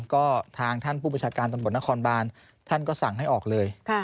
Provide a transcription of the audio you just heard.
ก็ทางท่านผู้ประชาการตำรวจนครบานท่านก็สั่งให้ออกเลย